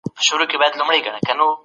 تاسو کولای شئ چي ښه څېړونکي شئ.